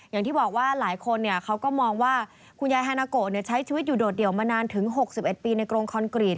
อย่างที่บอกว่าหลายคนเขาก็มองว่าคุณยายฮานาโกใช้ชีวิตอยู่โดดเดี่ยวมานานถึง๖๑ปีในกรงคอนกรีต